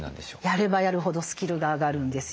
やればやるほどスキルが上がるんですよ。